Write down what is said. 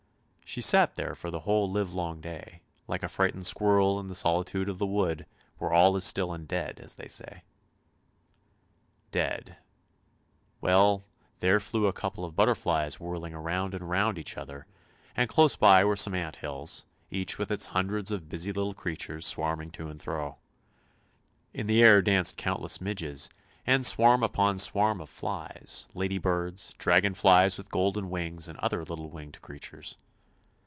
She sat there for the whole livelong day, like a frightened squirrel in the solitude of the wood where all is still and dead, as they say ! Dead — well there flew a couple of butterflies whirling round and round each other, and close by were some ant hills, each with its hundreds of busy little creatures swarming to and fro. In the air danced countless midges, and swarm upon swarm of flies, lady birds, dragon flies with golden wings, and other little winged creatures.